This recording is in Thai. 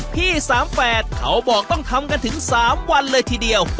พี่๓๘เขาบอกต้องทำกันถึง๓วันเลยทีเดียว